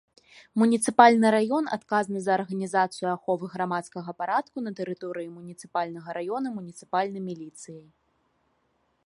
Муніцыпальны раён адказны за арганізацыю аховы грамадскага парадку на тэрыторыі муніцыпальнага раёна муніцыпальнай міліцыяй.